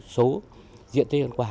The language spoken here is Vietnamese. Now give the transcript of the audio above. số diện tên ăn quả